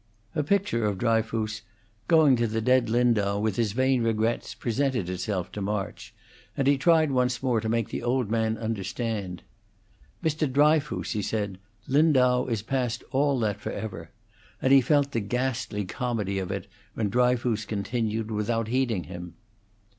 A picture of Dryfoos going to the dead Lindau with his vain regrets presented itself to March, and he tried once more to make the old man understand. "Mr. Dryfoos," he said, "Lindau is past all that forever," and he felt the ghastly comedy of it when Dryfoos continued, without heeding him.